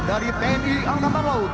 dari tni angkatan laut